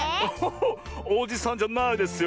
おじさんじゃないですよ。